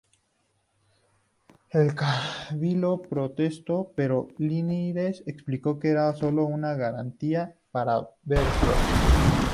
El Cabildo protestó, pero Liniers explicó que era sólo una garantía para Beresford.